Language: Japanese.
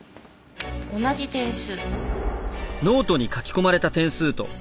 同じ点数。